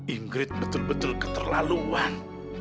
ingrid betul betul keterlaluan